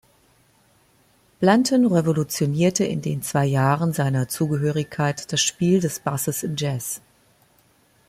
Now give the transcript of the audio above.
Blanton revolutionierte in den zwei Jahren seiner Zugehörigkeit das Spiel des Basses im Jazz.